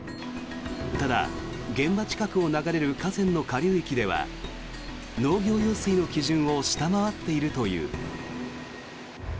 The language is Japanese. ただ、現場近くを流れる河川の下流域では農業用水の基準を下回っているという。